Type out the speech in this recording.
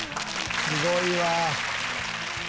すごいわ。